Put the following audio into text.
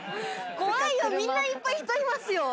怖いよみんないっぱい人いますよ。